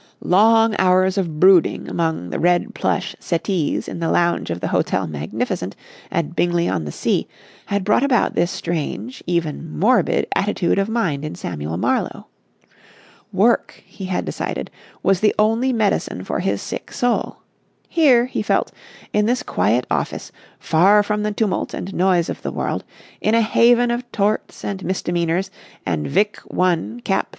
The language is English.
Long hours of brooding among the red plush settees in the lounge of the Hotel Magnificent at Bingley on the Sea had brought about this strange, even morbid, attitude of mind in Samuel Marlowe. Work, he had decided, was the only medicine for his sick soul. Here, he felt, in this quiet office, far from the tumult and noise of the world, in a haven of torts and misdemeanours and Vic. I. cap.